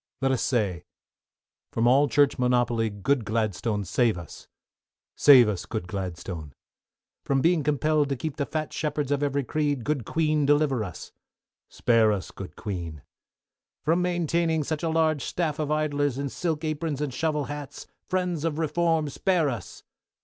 LET US SAY. From all Church monopoly, good Gladstone, save us. Save us, good Gladstone. From being compelled to keep the fat shepherds of every creed. Good Queen deliver us. Spare us, good Queen. From maintaining such a large staff of idlers in silk aprons and shovel hats, Friends of Reform, spare us.